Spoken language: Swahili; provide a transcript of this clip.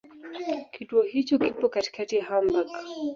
Kituo hicho kipo katikati ya Hamburg.